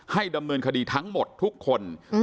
ให้ดำเมินคดีทั้งหมดทุกคนอืม